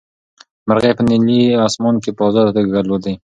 مرغۍ په نیلي اسمان کې په ازاده توګه الوتلې.